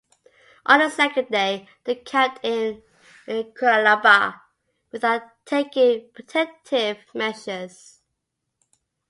On the second day they camped in Curalaba without taking protective measures.